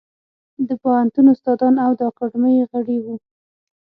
د پوهنتون استادان او د اکاډمۍ غړي وو.